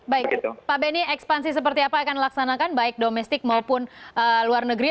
baik pak benny ekspansi seperti apa akan dilaksanakan baik domestik maupun luar negeri